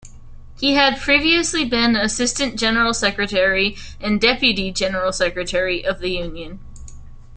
He had previously been Assistant General Secretary and Deputy General Secretary of the union.